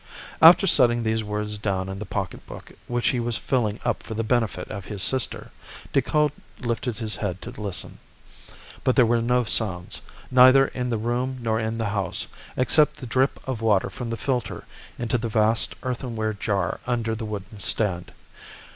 After setting these words down in the pocket book which he was filling up for the benefit of his sister, Decoud lifted his head to listen. But there were no sounds, neither in the room nor in the house, except the drip of the water from the filter into the vast earthenware jar under the wooden stand.